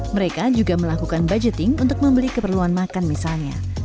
mereka juga melakukan budgeting untuk membeli keperluan makan misalnya